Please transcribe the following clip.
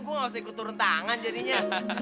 gue gak usah ikut turun tangan jadinya